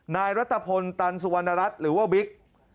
นายรัฐพลตันสุวรรณรัฐหรือว่าบิ๊ก